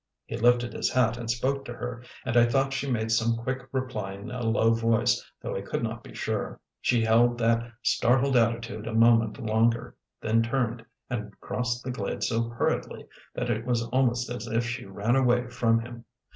He lifted his hat and spoke to her, and I thought she made some quick reply in a low voice, though I could not be sure. She held that startled attitude a moment longer, then turned and crossed the glade so hurriedly that it was almost as if she ran away from him.